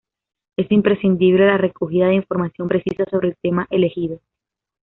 Es imprescindible la recogida de información precisa sobre el tema elegido.